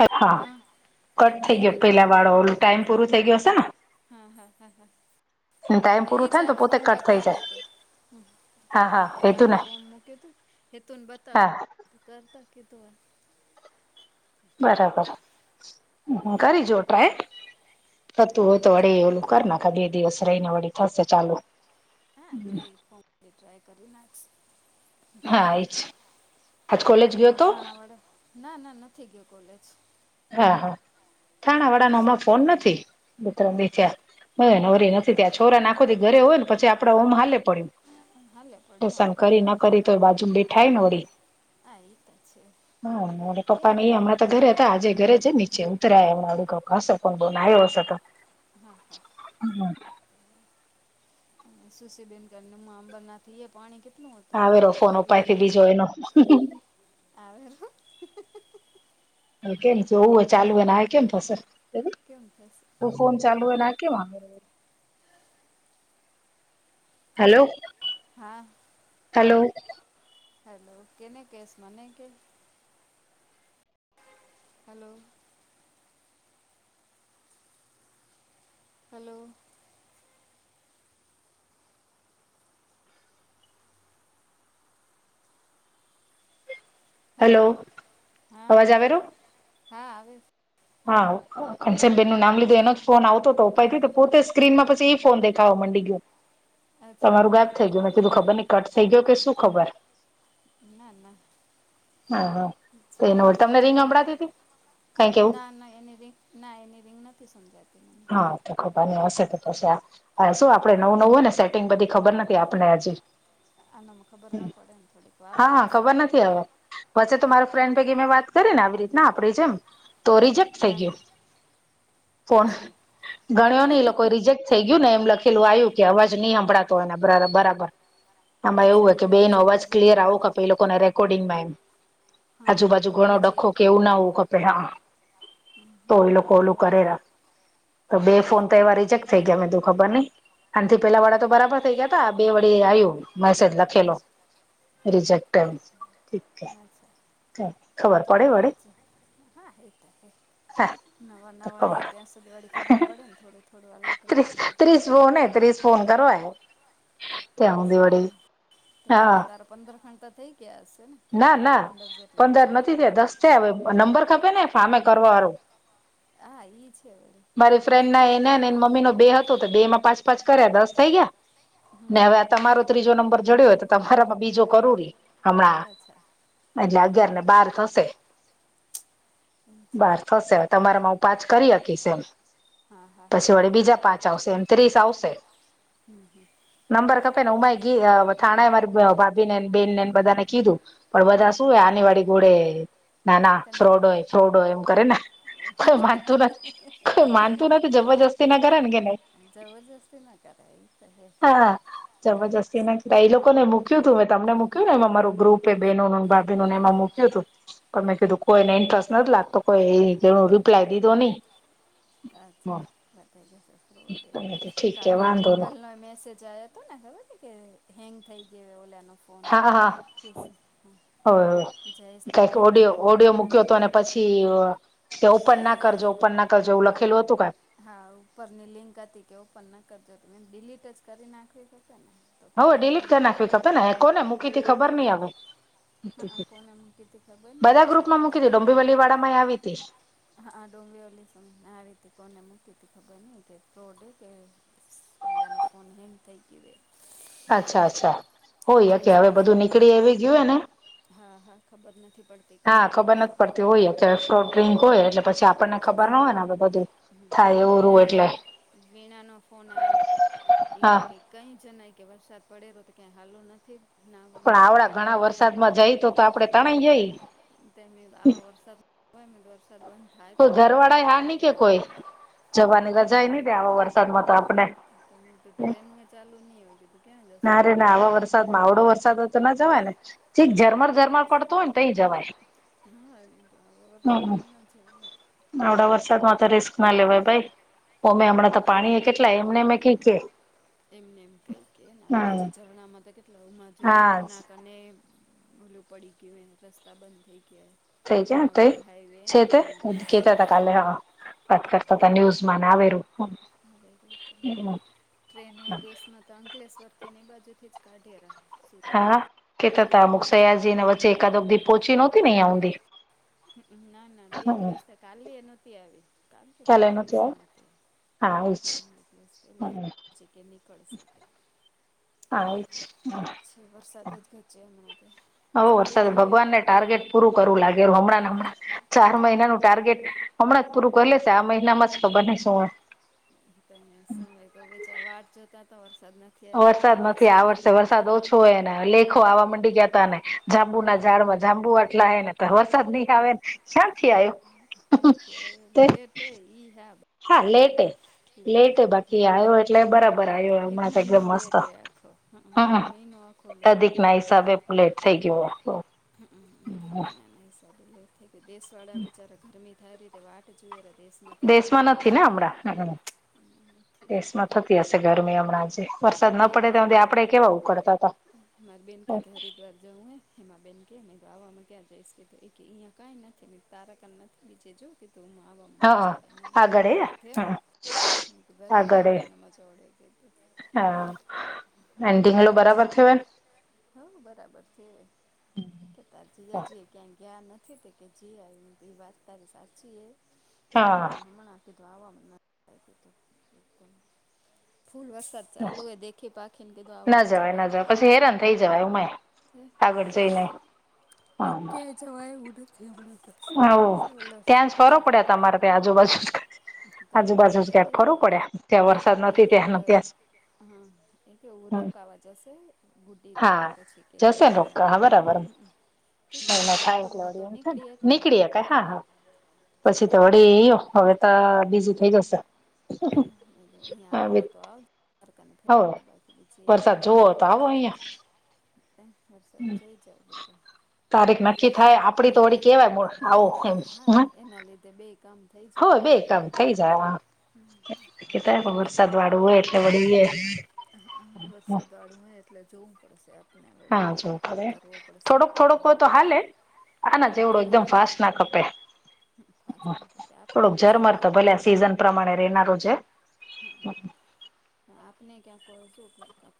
હે હા, કટ થઈ ગયો પેલા વાળો ઓલું ટાઈમ પૂરું થઈ ગયો હશે ને. હા હા હા હા, ટાઈમ તમને પૂરું ઈજ થાય ને તો આ પોતે ફોર્મ કટ થઈ જાય બતાવતીતી. હમ્મ હા હા તે હેતું કાલે ને ફોર્મ મૂક્યું તું હેતુન બતાવ હા તે કરતા કે તો વાર. બરાબર, કરી જો. ટ્રાઇ, થતું હોય તો માટે ટ્રાય કરી વડી જોવાનું ઓલું કર નાખ બે દિવસ રહીને વળી થશે ચાલુ. હા તો એ ફોર્મ ટ્રાય કરી નાખશે. હા એ જ કેમે થાણાવાડા ના ના નથી ગયો કોલેજ હા હા થાણાવાડાનો વરસાદ ઓમાં ફોન નથી. બે ત્રણ બે ચાર હવે નવરી નથી ત્યાં છોરા આખોદી ઘરે હોય ને પછી આપડ ઓમ હાલે પડ્યું હાલે પડ્યું લેશન આખો દી કરી કાંક ના ને કરી તોય કાંક બાજુમ બેઠાય ને વળી આ એ તો છે હા અને કેમ પપ્પાને એ હમણાં તો ઘરે તા આજે ઘરે છે નીચે ઉતરાયા ફોન બોન આયો હશે તો હા હા. [inaudible] સુસીબેન ઘરનામાં ઉંબરના ઇએ પાણી કેટ આવેરો ફોન ઉપારથી બીજો એનો આવે રો હ કેમ જોવું હોય ચાલુ હેને આએ કેમ થશે. કેમ થશે. તો ફોન ચાલુ હોય આ કેમ આવે. હેલો. હા. હેલો. હેલો કેને કેશ મને કે હેલો. હેલો. હલો હેલો હા અવાજ આવેરો હા આવે હા કંચનબેનનું નામ લીધું એનો જ ફોન આવતોતો ઉપાડ લીધો પોતે જ સ્ક્રીનમાં પછી ઈ ફોન દેખાવા મંડી ગયો. અચ્છા તમારું ગાયબ થઈ તો ગયું મેને કીધું ખબર નઈ કટ થઈ ગયો કે શું ખબર ના ના. હા હા તો એનો તમને રીંગ સંભળાતી હતી કઈક એવું ના ના એને રિંગ ના એની રીંગ નથી સમજાતી મને હા તો ખબર નહી હશે કદાચ આ શું આપડે નવું નવું હોય ને સેટિંગ બધી ખબર નથી આપને હજી આનામાં ખબર ના પડે થોડીક વાર લાગશે. પછે તો મારો ફ્રેન્ડ ભેગી મેં વાત કરીને આવી રીતના આપડી જેમ તો રિજેક્ટ થઈ હા ગયો. ફોન. અચ્છા ગણ્યો નહિ એ લોકો રિજેક્ટ થઈ ગયું ને એમ લખેલું આવ્યું કે અવાજ નહીં હંભળાતો આના બરા-બરાબર આમાં એવું અચ્છા હોય કે એટલે બેયનો રિજેક્ટ અવાજ કરી ક્લિયર નાખ્યો આવો કપે એ લોકોના રેકોર્ડિંગમાં એમ હા હા આજુબાજુ તો ઘણો જે ડખો કે એવું ના આવું કપે હા તો એ લોકો અહીંયા તો ઓલું કરે રા તો બે ફોન અચ્છા તો એવા રિજેક્ટ થઈ ગયા મેં કીધુ ખબર નહી. આથી પેલા વાળા તો બરાબર થઇ ગયા હતા આ બે વડી આવ્યું મેસેજ લખેલો રિજેક્ટ એમ અચ્છા ખબર ઠીક પડે વડે. છે હા એતો એમ. હા નવા તો નવા ખબર આયા ત્યાં સુધી વડી ખબર પડે ને થોડું થોડું અલગ ત્રીસ અલગ હોય તો ત્રીસ ફોન કરવો હે ત્યા રીસ હુધી વડી પ્રમાણે. તો હા કેટલા તારા પંદર ફોન તો થઈ ગયા હશે ને ના ના પંદર જેટલા પંદર હે? નથી થયા દસ થ નંબર ખપે ને ફોનએ કરવાવાળું હા ઈ છે. મારી ફ્રેન્ડ હેતુ ના ને એને એ કૌરવ મમ્મી નો બે હતો તો બે એમાં પાંચ પાંચ કર્યા દસ થઈ ગયા. ને હવે આ તમારો ત્રીજો નંબર જડ્યોય તો તમારામાં બીજો કરુરી. હમણાં અચ્છા એટલે હા અગિયાર ને હા બાર થશે. એમ છે બાર થશે ત્રી તમારામાં હું પાંચ કરી હકીશ એમ. હા હા હા પછી હા વળે બીજા પાંચ આવશે એમ ત્રીસ આવશે. નંબર કપે ને હું થાણા મારી ભાભી ને બેન નેને બધાને કીધું. પણ હા બધા શું હો આની વાડી ઘોડે ના ના કંચન ફ્રોડ હોય ફ્રોડ હોય એમ કરે ને, કોઈ માનતું નથી. તો માનતું નથી જબરજસ્તી ના કરે ને કે નને, જબરજસ્તી ના કરાય ઈ તો હે હા. જબરજસ્તી એ ના એ લોકો ને મૂક્યું હતું મેં તમને મૂક્યું ને એમાંરરો ગ્રુપ એ બ બેનો ભાભીનુંને એમાં મૂ્યું ું પણ મેં કીધું હા કોઈને ઇન્ટરેસ્ટ નથી લાગતો કોઈ એ રિપ્લાય દીધો નહી. હ અચ્છા બતા જશેે ઠીક છે કાલ વાંધો રિન્કલ ન મેસેજ આવ તો ને ખબર છે કે હેંગ થઈ ગયો ઓલા ન. હા હા હો જયેશ ન કઈક કે લિંક ઓડિયો ઓપન ઓડિયો ના મૂક્યો હતો અને કરતા પછી તે ઓપન ના કરજે ઓપન ના કરજે એવું લખેલું હતું ક હા ઉપરની લિંક હતી કે ઓપન ના કરજો તમે ડીલીટ જ કરી નાખવી હશે ને. તો હવે કોઈ ઓપન ડડીલીટ કરી ના નાખવી કરે ખપે ને કોને મૂકીથી ખબર નહી આવે. હા કોને મૂકી હતી ખબર નહી બધા ગ્રુપ પછી માં મૂકી દી આ ડોમ્બીવલી વાળા આવી હતી. હા ડુંગીવાલી સમ આ રતે કોને મૂકી હતી ખબર નઈ કે ફ્રોડ કે. બ લને ફોન નને થઈ ગ ભય. અચ્છા અચ્છા, હોય કે જયેશનો હવે ફોન બધું નીકળી એ ગયું હ ને. હા હા ખબર નથી પડતી કંઈ ઓ. ફ્રો ડ્રિંક હોય એટલે પછી આપણને ખબર ના હોય ને બધું. થાય એવું રૂ વીણાનો એટલે વીણાનો ફોન આવ્યો હતો, એક એક હા એક કઈ જ નય કે વરસાદ પડેલો તો ક્યા હાલું નથી. ના પણ મમ્મી કીધું આવડા ઘણા આવામાં વરસાદ માં જઈ તો તો આપડે તણાઈ જઈ. તેમમ આવા વરસાદ વરસાદ બંધ થાય કો તો ક્યાંક ઘરવાળા જવાય હા નહી કીધું કે મેં કોઈ, જવાની કીધું રજાાઈ આવામાં નહી દે આવા તમે વરસાદમાં તો આપણે. તમે તું ટ્રેન ચાલુ નહી હોય કે તું. ના રે ના આવા વરસાદ માં આવડો વરસાદ તો ના જવાય ને, ચીક ઝરમર ઝરમર પડતો હોય ને ત જય. હા એ તો આવા વરસા જ મને છે. આવડા વરસાદ માં તો રિસ્ક ના લેવાય ભાઈ, અમે હમણાં તો પાણીએ કેટલાય એમને અમે કી કે. એમને એમ કહી કેને આ હમ પછી ઝરણામાં તો કેટલા ઉમાં જો ને હા પુનાક અને ભોલું પડી ગયું રસ્તા બંધ થઈ ગયા. થઈ જ્યા થઈ પૂનાવાળો હાઈવે છે ને તે. કતા હતા કાલે હા વાત કરતા હતા ન્યૂઝ માં આવેલુ. હ ટ્રેન એ દ [unintelligible] તો અંકલેશ્વરથી ને બાજુથી જ કાઢેરા. સુરત હા કે ત ત વાળથી મુખયાજીને વચે કદકધી પોચી નહોતી ને ઊંધી. ના ના બે દિવસ કાલી એ નહોતી આવી. કાલ કે કાલે પરમ નહોતી દિવસેવ આવી હા એજ હમ કે ન કળ શ [unintelligible] હ [unintelligible] છ વરસાદ જ ઘરેમણાથી. હ વરસાદ ભગવાન ને ટાર્ગે પૂરુ કરવું લાગે. હમણાં હમણાં ચાર મહિનાનું ટાર્ગેટ હમણાં જ પૂરું કરી લેશે આ મહિનામાં જ ખબર નહી શું હો. અંયા શુંય તો બેચાર વાટ જોતા તો વરસાદ નથી. આવ્યો વરસાદ આવ્યો. નથી આવડશે દેશવાળાને ક- ક- વરસાદ ઓછો હોય ને લેખો આવા મંડી ગયાતા ને જાંબુના ઝાડમાં જાંબુ આટલા આવે ને ત વરસાદ નહીં આવે ને ક્યાંથી આવ્યો? ક- ક્યાંથી આવ્યો તે લેટ હે. હા લેટ હે. લેટે હે બાકી આવ્યો એટલે બરાબર આવ્યો એક હમણાં તો એકદમ મહિનો મસ્ત હમ ખોલે તે અધિક ના હિસાબે પ્લેટ થઈ ગયો. હમ એક મહિનાના હિસાબે લે દેશવાળા બિચારા ગરમી થાય રીતે વાટ જુએ દેશ દેશમાં નથી ને હમણાં નથી દેશમાં થતી હશે ગરમી હમણાં હજી મારી બેન ને ભાઈ બહેન હતા મારી બેન ક કે હરિદ્વાર જવું હે. હેમાબેન કે આવામાં ક્યાં જઈસ કે એ કે કંઈ નથી તારાકાને નથી બીજે જો તું આવામા ના હા ચવાઈ મા કે આગળ તું એ ઘરે થ્યો. હમ ઘરે આગળ થ્યો એ એમાં સોડે કે તો હા. તો ઢીંગલો બરાબર પછી થયો એમ હોવ બરાબરથી કે તાર જીજાજી એ ક્યાંય ગ્યા નથી તે કે જી વાત તારી સાચી એ. હા પણ હમણાં કીધું આવામાં ના જવાય કીધું. એકદમ ફૂલ વરસાદ ચાલુ હે દેખી પાખી કે દો ના આવામાં જવાય ના ક્યાં પછી હેરાન થઈ જવાય ઉમાંય આગળ જઈને ક્યાંય જવાય એવું નથી હમણાં તો હોવ ત્યાં જ ફરો કે ઓલો પડ્યા રોક તમારે ત્યા આજુબાજુ આજુબાજુ એ કે ક્યાંક ફરવું પડ્યા ત્યાં વર્ષ એ કેવું ઓ લ હા એ કેવું રોકાવા જશે. ગુટી તે કે હા પછી કે જશે વળી કે રોકા હા અમને બરાબર ઠીક મહિનો અમને થાય નીકળું એટલે હો તો વળી એમ થાય નીકળી હાંકાઈ ને નીકળીએ કઈ હા એઠવાડે હા પછી તો વળીયો હવે તો બીજી થઈ જશે. અહીયા આવું તો આવજ હોવ વરસાદ જોવો કીધું તો આવો અહિયાં વરસાદ જોય જાવ કીધું. તારીખ નક્કી થાય આપડી તો વળી કેવાય આવું એમ હા એના લીધે. કામ થઈ હો જાય કે બે એમની કામ થઈ બાર જાય. પણ કેતા પણ આપણે હજી વરસાદવાળું હોય એટલે વળી એ વરસાદવાળું હોય એટલે જોવું પડશે આપ હા જોવું પડે થોડોક કે થોડોક હોય તો હાલે આના પણ જેવડું ઘણો એકદમ હોય ફાસ્ટ ને ના ખપે. ફાસ્ટ એટલે આપને થોડોક મજા ઝરમર ના તો આવે ભલે આ સીઝન પ્રમાણે રહેેનાર છે. હા આપને ક્યાં કજો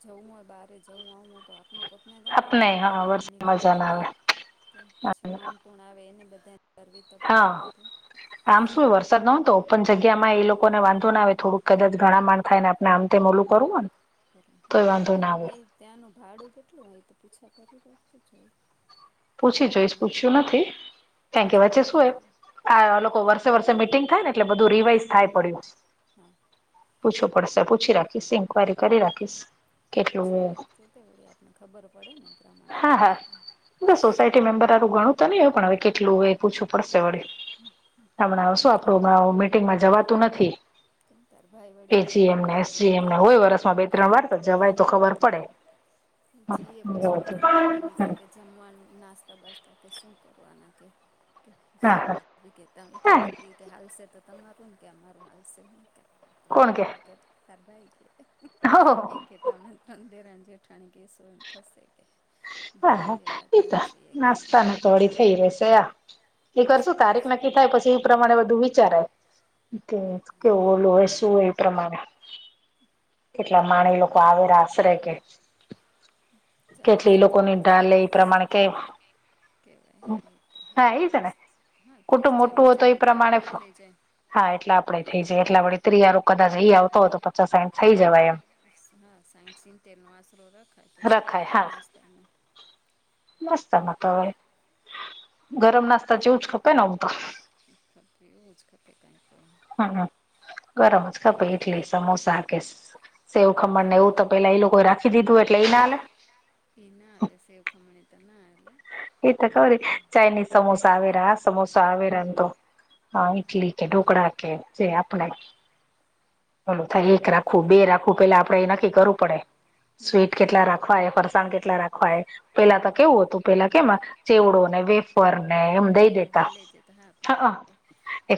જવું હોય બારે જવું આવું હોય તો આપ અને પોતને કંટાળો આપને આવે હા આવામાં વરસાદમાં નીકળે મજા ના આવે ક્યાં તો પછી માણ સો આવે એને બધા કરવી તો પડે હા બધું આમ શું વરસાદ નો હોય પણ જગ્યામાં એ લોકો ને વાંધો ના આવે થોડુંક કદાચ ઘણા માણ થાય ને આમ તેમ ઓલું કરું હો ને તોય વાંધો ના આવે એ ત્યાંનું ભાડું કેટલું હોય તો પૂછા કરી રાખત જોય. પૂછી જોઈશ પૂછ્યું નથી કેમ કે પૂછા વચ્ચે શું કરી જોઈ એ આ લોકો વર્ષ વર્ષે મિટિંગ થાય ને એટલે બધ રીવાઈઝ થાય પડ્યું. હા. પૂછવું પડશે પૂછી રાખીશ ઇન્કવાયરી કરી રાખીશ. એ કેટલું પૂછી રાખતી તે વળી આપને ખબર પડે ને એ પ્રમાણે તો હા હા ઉત્તર સોસાયટી મેમ્બર ગણું તો ન હોય પણ હવે કેટલું હોય પૂછવું પડશે વળી હમણાં આવશું આપડું હમણાં મીટિંગમાં જવાતું નથી. તાર ભાઈ વળી કહેવા માંડે એજીએમને કે એસજીએમને નક્કી હોય વરસમાં બે ત્રણ વાર તો જવાય તો ખબર પડે. હા પછી એ પૂછવા માંડ્યા મને કે કે જમવાનું નાસ્તા બાસ્તા કે શું કરવાના કે હા કે હા નક્કી હાલશે તો તમારું ને કે અમારું હાલશે ન કે મારું કર તારા ભાઈ કે હો ઈ કે હા તમે તંન દેરાણી જે ઠાણી કેશું એમ થશે કે. હા હા એ વાત એતો સાચી એ કે નાસ્તાનું થોડી થઈ રશે આ એ કરશું તારીખ નક્કી થાય પછી એ પ્રમાણે બધું વિચારાય તે કેવું ઓલું હોય શું હોય એ પ્રમાણે કેટલા માણી લોકો આવેરા આશરે કે ચાલીસ કેટલી એ લોકોની ચાલીસ ડાલે એ પ્રમાણે કે કેવાય હા એ હા એ છે ને ત્રીસ હા ત્રીસ કુટુંબ મોટું ચાલીસ હોય એ જણા તો પ્રમાણે આપણું થઇ જાય. હા એટલા આપડે થઇ જાયએ એટલા વી ત્રીયારો કદાચ એઈ આવતો હોય તો પચાસ સાઈઠ થઈ જવાય એમ. હા સાઈઠ સીતેરનો આસરો ર રખાય હા. નાસ્તામાં હવે ગરમ નાસ્તા જેવું જ ખપે ને આમ તો એવું જ ખપે કાંઈક હમ્મ ગરમ જ ખપે ઇટલી સમોસા કે સેવખમણ ને એવું તો પેલા એ લોકો રાખી દીધું એટલે ના હાલે તે નાલે સેવખમણી તો ના આલે. એ તો ખબર હે ચાઇનીઝ સમોસા આવે હા સમોસા આવે એમ તો. હા ઈટલી કે ઢોકળા કે જે આપણે હલો થાય એક રાખવું બે રાખવું પેલા આપડે એ નક્કી કરવું પડે. સ્વીટ કેટલા રાખવા ફરસાણ કેટલા રાખવા હે પેલા તો કેવું હતું પેલા કેમાં ચેવડો ને વેફર ને એમ દઈ એવું દેતા હાલે છે તો હા પણ હવે હ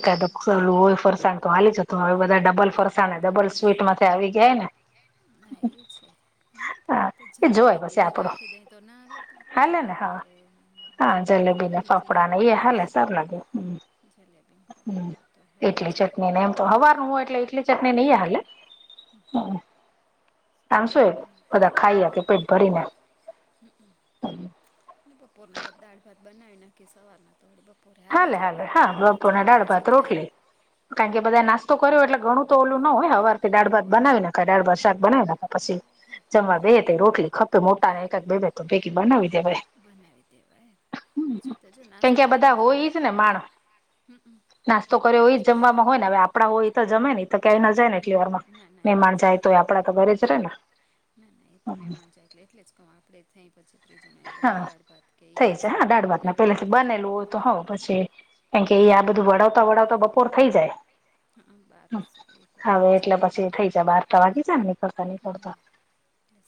એકાદ સરલું હોય ફરસાણ તો હાલી જતું હવે બધા ડબલ ફરસાણ તો ડબલ સ્વીટમાં તે આવી ગયા ને હા એ છે. હા એ જોય જલેબી કે પછી એ આપડો રાખી દય તો ના હાલે હાલે ને જલેબી હા કે હા જલેબી ને જલેબીને ઈડલી ફાફડા ને એ હાલે સારૂ લાગે. જલેબી. ફાફડા હમ્મ હોય તો હાલે એટલી જાય ચટણી ને એમ તો હવારનું હોય એટલે એટલી ચટણી નય હાલે. આમ શું બધા ખાઈ હકે પેટ ભરીને અને બપોરના દાળ ભાત બનાવી નાખી સવારના થોડી બપોરે હાલી હાલે જાય હાલે ને હા ને પાછા બપોરના અને દાળ ભાત પછી ગાય રોટલી કારણ કે બધા નાસ્તો કર્યો એટલે ઘણું તો ઓલું ન હોય હવારથી ના દાળભાત હોય તો બનાવી નાખાય દાળ ભાત શાક બનાવી નાખ પછી જમવા બે તે રોટલી ખપે મોટાને એક એક બે બે તો ભેગી બનાવી દેવાય. બનાવી દેવાય બીજું તો જો કેમ નાસ્તો કે આ કર બધા હોય જ ને માણ નાસ્તો કર્યો એ જ હોય જમવામાં હોય ને હવે આપણા હોય એ તો જમે ને. તો ક્યાંય ના જાય ને એટલી વારમાં ના ના એજ મેહેમાન કે જાય તોય કરે આપડા તો ખબર જ હા રે ના ના ના એ તો મેમાંન જાય એટલે એટલે જ કવ આપણે થય પછી ત્રીજોને એટલે વળી હા દાળ ભાત કે થઈ એ જાય હા દાળ સવારના ભાત ના બનાવી પેલાથી નાખે તો બનેલું હોય તો હવ પછી એમ કે એ આ બધું વળાવતા વળાવતા બપોર થઈ જાય હા બારસ એક હવે વાગી એટલે જાય પછી થઇ જ બારતો વાગી જ ને નીકળતા નીકળતા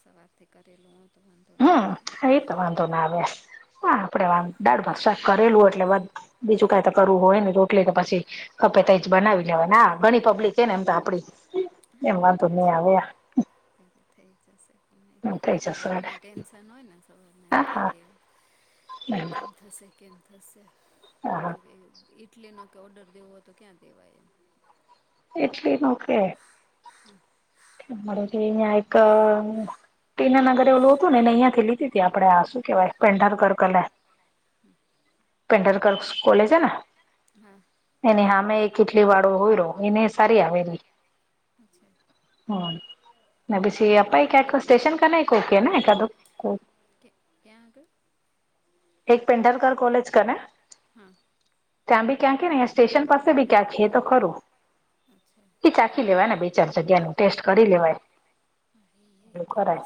સવારથી કરેલું હોયતો વાંધો ના હમ આવે એ તો વાંધ ના આવે હા આપણે વાદ ભાત શાક કરેલું એટલે બીજું કઈ તો કરવું હોય ને રો એટલે કે પછી ખપેતા એજ બનાવી લેવાના ઘણી પબ્લિક હે ને એમ તો આપડી હા એમ એ વાંધો તો નહી છે, આવે થઈ જશે થઈ એક વાર જશે અરે આપને ટેન્શ ન હોય ને સવારને એમ હા થાય હા કે કેમ હા થશે કેમ થશે હા તો કે ઈટલી નો કે ઓર્ડર દેવો હોય તો ક્યાં દેવાય એમ એટલી ન કે [inaudible] [inaudible] ટીનનગર એવલું હતું ને ને અહંયાથી લીધીતી આપે શું કહેવાય પેંઢર કરકલે હમ. પેંડ [unintelligible] કોલેજ હે ન હા. એની હામે એ કેટલી વાળો હોય રો એને સારી અચ્છા હ ના પીછી આપા એક્યા સ્ટેશન કરના એક કો ઓકે ને કાદો કો કે ક્યાં આગળ એક પેંઢરકર કોલેજ કરને હા. ત્યાં બી ક્યાં ને સ્ટેશન પાસે ભી ક્યાંકે હે તો ખરું અચ્છા એ ચાખી લેવા ને બી [unintelligible] ટેસ્ટ કરી લેવાય એવું કરાય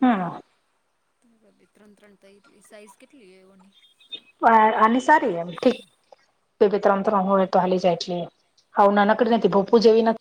હમ [unintelligible] ત્રણ ત્રણ ત એટલી સાઈઝ કેટલી ઓની બાર આને સારી એ ઠીક ત્રણ ત્રણ હોય તો હાલી જાય એટલી હાવ હાલી જાય નાનકડી નથી ભોપુ જેવી ન